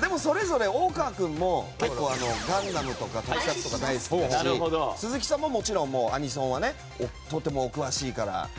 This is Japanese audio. でも、それぞれ大河君も「ガンダム」とか特撮大好きだし鈴木さんも、もちろんアニソンはとてもお詳しいから。